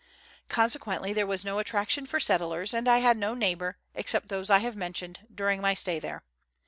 Conse quently there was no attraction for settlers, and I had no neighbour, except those I have mentioned, during my stay there.